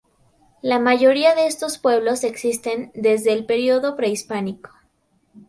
La mayoría de estos pueblos existen desde el periodo prehispánico.